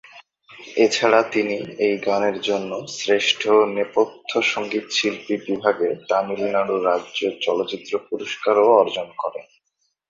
এছাড়া তিনি এই গানের জন্য শ্রেষ্ঠ নেপথ্য সঙ্গীতশিল্পী বিভাগে তামিলনাড়ু রাজ্য চলচ্চিত্র পুরস্কারও অর্জন করেন।